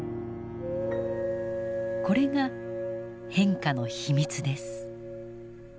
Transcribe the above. これが変化の秘密です。